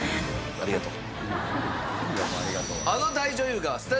ありがとう。